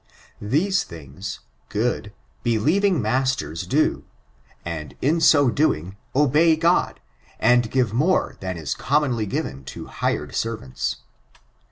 These things, good, believing masters do; and, in so doing, obey God, and give more than is commonly given to hired servants.